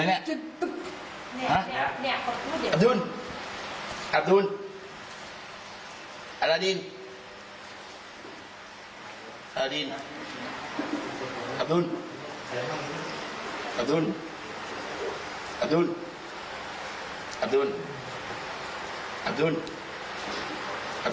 อับดุธอับดุธอับดุธอับดุธ